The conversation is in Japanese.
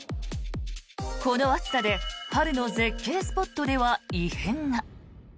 この暑さで春の絶景スポットでは異変が。